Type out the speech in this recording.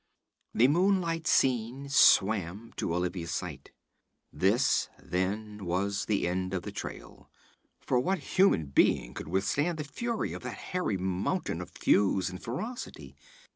The moonlight scene swam, to Olivia's sight. This, then, was the end of the trail for what human being could withstand the fury of that hairy mountain of thews and ferocity?